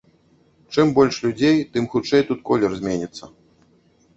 Чым больш людзей, тым хутчэй тут колер зменіцца.